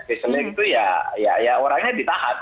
visioning itu ya orangnya ditahan